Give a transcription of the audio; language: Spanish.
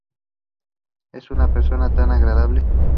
Es una persona tan agradable.